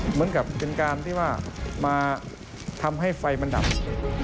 เหมือนกับเป็นการที่ว่ามาทำให้ไฟมันดับ